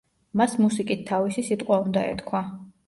მას მუსიკით თავისი სიტყვა უნდა ეთქვა.